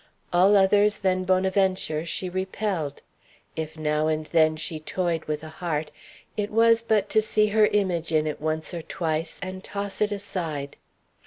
All others than Bonaventure she repelled. If now and then she toyed with a heart, it was but to see her image in it once or twice and toss it aside.